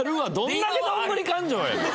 どんだけどんぶり勘定やねん！